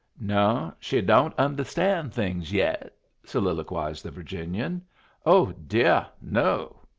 "No, she don't understand things yet," soliloquized the Virginian. "Oh dear, no."